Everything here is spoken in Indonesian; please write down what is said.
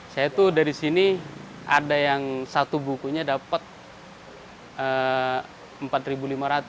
saya tuh dari sini ada yang satu bukunya dapat rp empat lima ratus